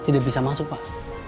tidak bisa masuk pak